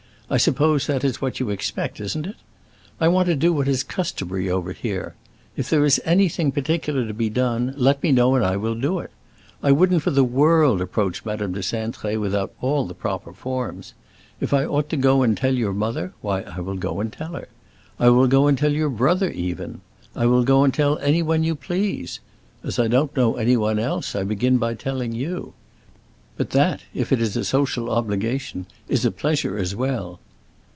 I suppose that is what you expect, isn't it? I want to do what is customary over here. If there is anything particular to be done, let me know and I will do it. I wouldn't for the world approach Madame de Cintré without all the proper forms. If I ought to go and tell your mother, why I will go and tell her. I will go and tell your brother, even. I will go and tell anyone you please. As I don't know anyone else, I begin by telling you. But that, if it is a social obligation, is a pleasure as well."